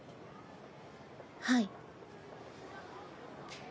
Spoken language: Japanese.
はい。